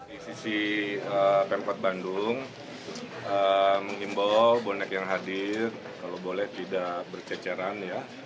di sisi pempat bandung mengimbau bonek yang hadir kalau boleh tidak berceceran